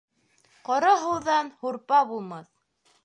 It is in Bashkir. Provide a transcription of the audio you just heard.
Ҡоро һыуҙан һурпа булмаҫ.